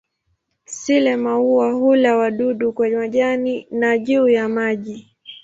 Sile-maua hula wadudu kwa majani na juu ya maji.